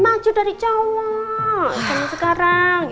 maju dari cowok sekarang sekarang